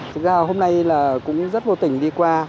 thực ra hôm nay là cũng rất vô tình đi qua